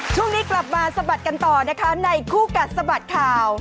ช่วงนี้กลับมาสะบัดกันต่อนะคะในคู่กัดสะบัดข่าว